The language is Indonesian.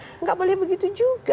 tidak boleh begitu juga